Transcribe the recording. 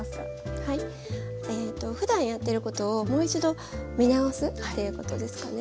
はいふだんやってることをもう一度見直すっていうことですかね。